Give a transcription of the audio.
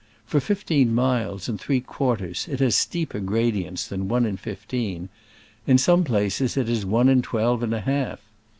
For fifteen miles and three quarters it has steeper gradients than one in fifteen. In some places it is one in twelve and a half!